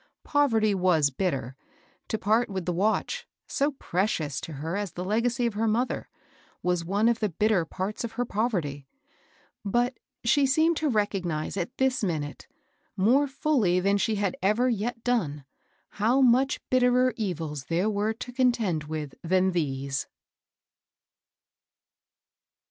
Poverty was bitter ; to part with the watch, so precious to her as the legacy of her mother, was one of the bitter parts of her poverty ; but she seemed to recognize at this minute, more folly than she had ever yet done, how much bitterer evils there were to contend with than these.